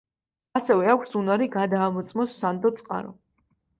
ასევე აქვს უნარი გადაამოწმოს სანდო წყარო.